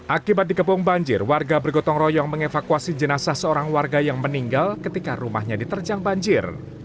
akibat dikepung banjir warga bergotong royong mengevakuasi jenazah seorang warga yang meninggal ketika rumahnya diterjang banjir